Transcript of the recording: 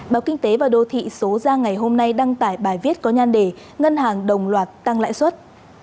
báo kinh tế và đô thị số ra ngày hôm nay đăng tải bài viết có nhan đề ngân hàng đồng loạt tăng lãi suất